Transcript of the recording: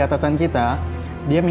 aku mau lihat lagi